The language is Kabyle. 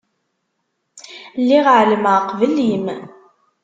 Lliɣ εelmeɣ qbel-im.